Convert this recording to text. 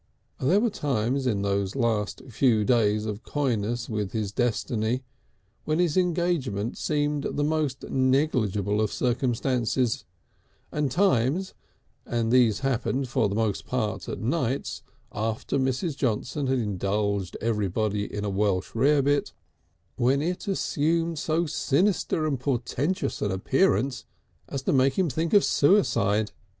There were times in those last few days of coyness with his destiny when his engagement seemed the most negligible of circumstances, and times and these happened for the most part at nights after Mrs. Johnson had indulged everybody in a Welsh rarebit when it assumed so sinister and portentous an appearance as to make him think of suicide.